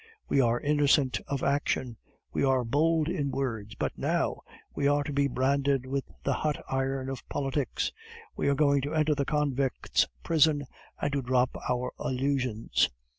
We were innocent of action; we were bold in words. But now we are to be branded with the hot iron of politics; we are going to enter the convict's prison and to drop our illusions.